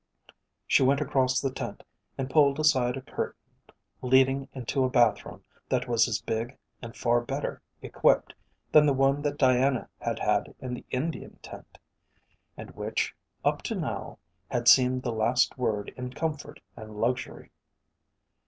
She went across the tent and pulled aside a curtain leading into a bathroom that was as big and far better equipped than the one that Diana had had in the Indian tent, and which, up to now, had seemed the last word in comfort and luxury.